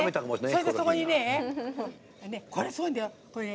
それで、ここにねこれすごいんだよ。